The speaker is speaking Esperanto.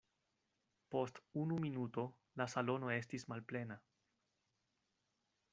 Post unu minuto la salono estis malplena.